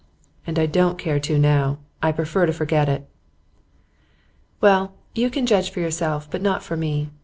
'And don't care to now. I prefer to forget it.' 'Well, you can judge for yourself but not for me.